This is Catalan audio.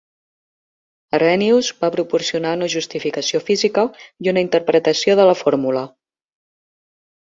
Arrhenius va proporcionar una justificació física i una interpretació de la fórmula.